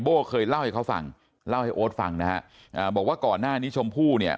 เคยเล่าให้เขาฟังเล่าให้โอ๊ตฟังนะฮะอ่าบอกว่าก่อนหน้านี้ชมพู่เนี่ย